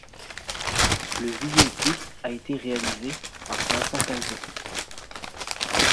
Le video clip a été réalisé par Vincent Calvet.